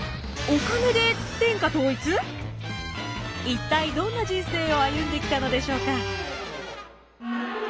一体どんな人生を歩んできたのでしょうか。